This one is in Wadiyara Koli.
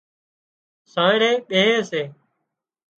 سانئڙي ٻيهي سي